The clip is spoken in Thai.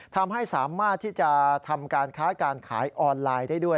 ทำให้สามารถที่จะทำการค้าการขายออนไลน์ได้ด้วย